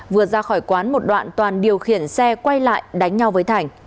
vừa ra khỏi quán một đoạn toàn điều khiển xe quay lại đánh nhau với thành